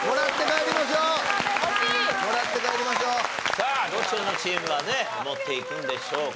さあどっちのチームがね持っていくんでしょうか。